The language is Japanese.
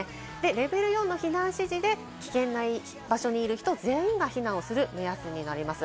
レベル４の避難指示で危険な場所にいる人全員が避難をする目安になります。